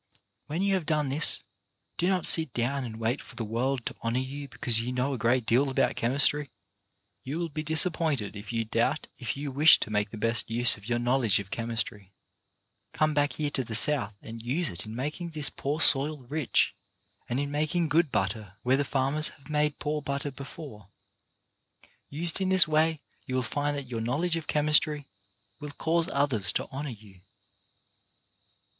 When you haye done this, do not sit down and wait for the world to honour you because you know a great deal about chemistry — you will be disappointed if you do — but if you wish to make the best use of your knowl edge of chemistry, come back here to the South and use it in making this poor soil rich, and in making good butter where the farmers have made poor butter before. Used in this way you will find that your knowledge of chemistry will cause others to honour you.